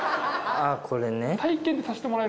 あぁこれね。